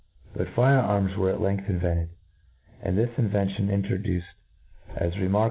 But fire arms were at length invents cd J— Hand this invention introduced as remark 3 able 3?